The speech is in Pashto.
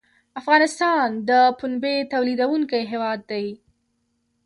افغانستان د پنبې تولیدونکی هیواد دی